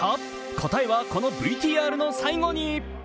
答えはこのＶＴＲの最後に。